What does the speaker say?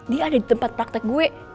dia ada di tempat praktek gue